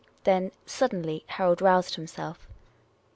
Then, suddenly, Harold roused himself.